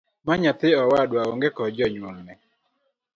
Mae nyathi owadwa oong'e koda jonyuolne.